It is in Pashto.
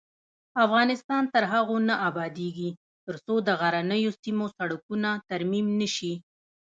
افغانستان تر هغو نه ابادیږي، ترڅو د غرنیو سیمو سړکونه ترمیم نشي.